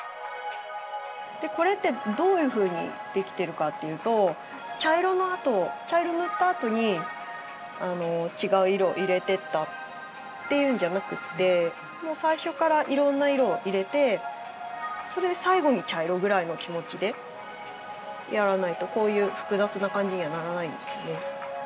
これってどういうふうにできてるかっていうと茶色塗ったあとに違う色を入れてったっていうんじゃなくって最初からいろんな色を入れて最後に茶色ぐらいの気持ちでやらないとこういう複雑な感じにはならないんですよね。